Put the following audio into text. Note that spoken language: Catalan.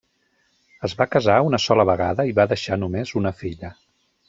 Es va casar una sola vegada i va deixar només una filla.